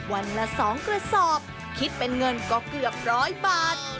วันละ๒กระสอบคิดเป็นเงินก็เกือบร้อยบาท